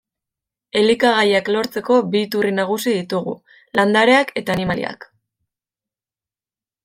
Elikagaiak lortzeko bi iturri nagusi ditugu landareak eta animaliak.